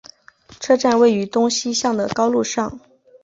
车站位于东西向的高路上。